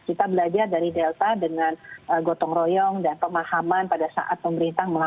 kita belajar dari delta dengan gotong royong dan pemahaman pada saat pemerintah